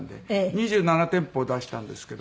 ２７店舗出したんですけど。